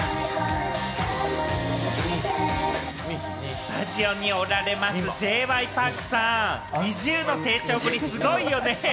スタジオにおられます、Ｊ．Ｙ．Ｐａｒｋさん、ＮｉｚｉＵの成長ぶり、すごいよね？